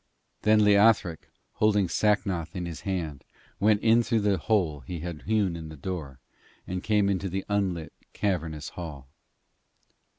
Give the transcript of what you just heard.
Then Leothric, holding Sacnoth in his hand, went in through the hole that he had hewn in the door, and came into the unlit, cavernous hall.